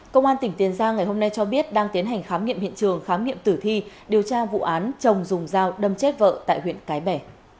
công an tỉnh tiền giang ngày hôm nay cho biết đang tiến hành khám nghiệm hiện trường khám nghiệm tử thi điều tra vụ án chồng dùng dao đâm chết vợ tại huyện cái bè